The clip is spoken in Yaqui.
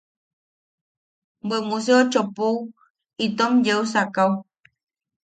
Bwe museo chopou itom yeusakao.